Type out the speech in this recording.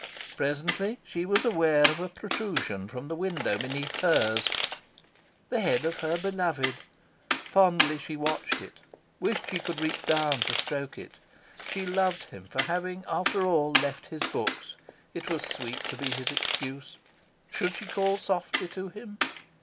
Presently she was aware of a protrusion from the window beneath hers. The head of her beloved! Fondly she watched it, wished she could reach down to stroke it. She loved him for having, after all, left his books. It was sweet to be his excuse. Should she call softly to him?